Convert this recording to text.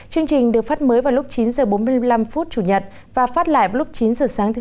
chương trình được phát mới vào lúc chín h bốn mươi năm phút chủ nhật và phát lại vào lúc chín h sáng thứ hai